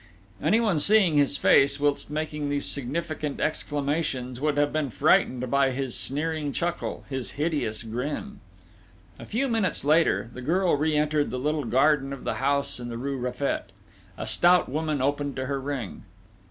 Anyone seeing his face, whilst making these significant exclamations, would have been frightened by his sneering chuckle, his hideous grin. A few minutes later, the girl re entered the little garden of the house in the rue Raffet. A stout woman opened to her ring.